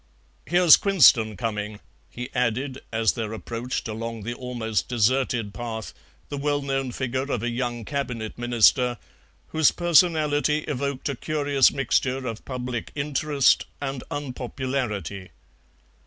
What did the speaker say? Here's Quinston coming," he added, as there approached along the almost deserted path the well known figure of a young Cabinet Minister, whose personality evoked a curious mixture of public interest and unpopularity.